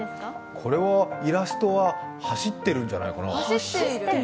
これは、イラストは走ってるんじゃないかな。